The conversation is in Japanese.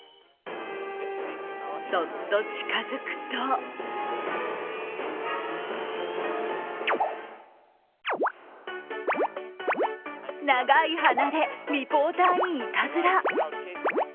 そっと近づくと長い鼻でリポーターにいたずら。